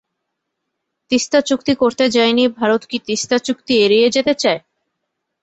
তিস্তা চুক্তি করতে যাইনি ভারত কি তিস্তা চুক্তি এড়িয়ে যেতে চায়?